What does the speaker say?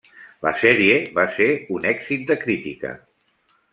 La sèrie va ser un èxit de crítica.